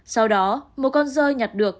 sau đó một con rơi nhặt được